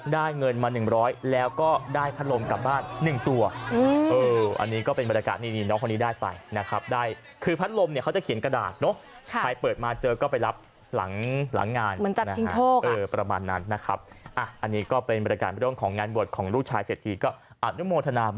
ได้เงินมาหนึ่งร้อยแล้วก็ได้พัดลมกลับบ้านหนึ่งตัว